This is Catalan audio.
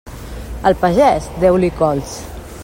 Al pagès, deu-li cols.